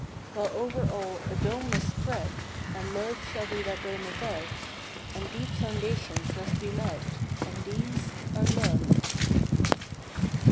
While over all a dome must spread, And love shall be that dome above; And deep foundations must be laid, And these are love.